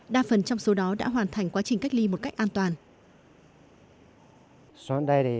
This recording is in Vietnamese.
đa phần trong số đó đã hoàn thành quá trình cách ly một cách an toàn